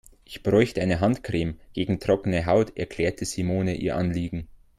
Ich bräuchte eine Handcreme gegen trockene Haut, erklärte Simone ihr Anliegen.